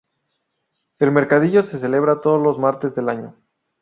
El mercadillo se celebra todos los martes del año.